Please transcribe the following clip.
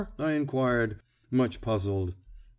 I inquired, much puzzled.